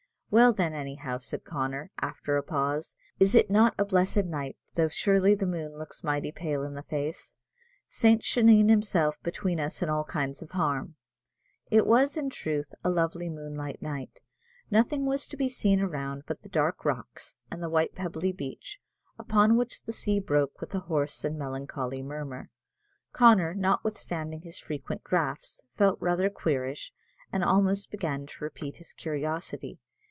Well, then, anyhow," said Connor, after a pause, "is it not a blessed night, though surely the moon looks mighty pale in the face? St. Senan himself between us and all kinds of harm." It was, in truth, a lovely moonlight night; nothing was to be seen around but the dark rocks, and the white pebbly beach, upon which the sea broke with a hoarse and melancholy murmur. Connor, notwithstanding his frequent draughts, felt rather queerish, and almost began to repent his curiosity.